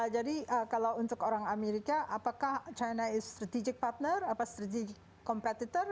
jadi kalau untuk orang amerika apakah china is strategic partner atau strategic competitor